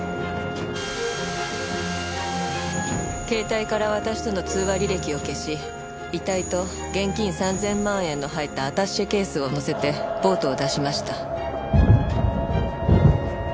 携帯から私との通話履歴を消し遺体と現金３０００万円の入ったアタッシェケースを載せてボートを出しました。